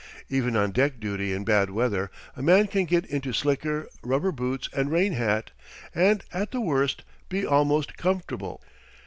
Even on deck duty in bad weather a man can get into slicker, rubber boots, and rain hat, and at the worst be almost comfortable.